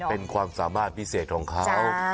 เป็นความสามารถพิเศษของเขา